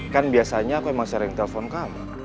kan biasanya aku emang sering telepon kamu